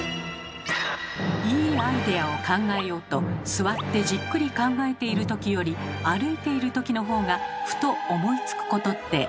いいアイデアを考えようと座ってじっくり考えているときより歩いてるときの方がふと思いつくことってありますよね？